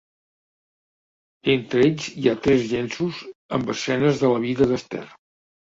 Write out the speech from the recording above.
Entre ells hi ha tres llenços amb escenes de la vida d'Ester.